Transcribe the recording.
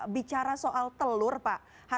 bicara soal telur pak